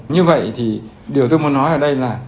như vậy thì điều tôi muốn nói ở đây là